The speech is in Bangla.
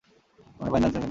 উনারে বাইন্ধা আনছেন কেনো?